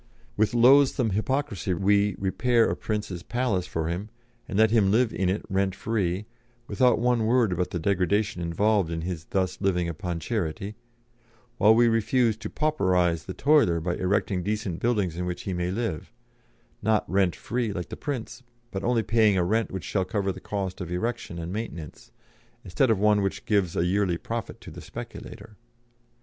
With loathsome hypocrisy we repair a prince's palace for him, and let him live in it rent free, without one word about the degradation involved in his thus living upon charity; while we refuse to 'pauperise' the toiler by erecting decent buildings in which he may live not rent free like the prince, but only paying a rent which shall cover the cost of erection and maintenance, instead of one which gives a yearly profit to a speculator.